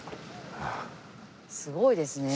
すごいですね。